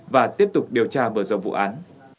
và tiếp tục điều tra vừa giờ vụ án